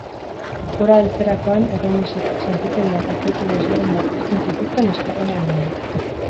Gora heltzerakoan, erromesek santutegian objetu desberdinak uzten zituzten esker ona emanez.